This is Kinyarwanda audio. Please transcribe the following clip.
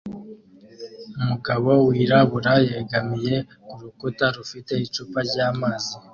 Umugabo wirabura yegamiye kurukuta rufite icupa ryamazi